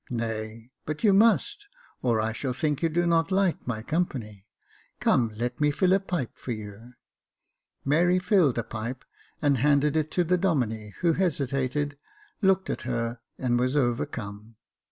Nay, but you must — or I shall think you do not like my company. Come, let me fill a pipe for you." Mary filled a pipe, and handed it to the Domine, who hesitated, looked at her, and was overcome.